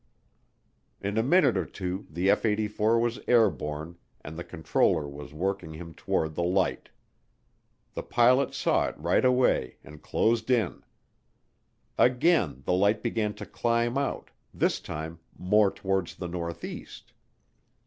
In a minute or two the F 84 was airborne and the controller was working him toward the light. The pilot saw it right away and closed in. Again the light began to climb out, this time more toward the northeast.